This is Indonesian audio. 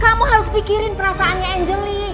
kamu harus pikirin perasaannya angeli